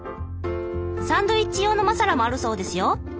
サンドイッチ用のマサラもあるそうですよ。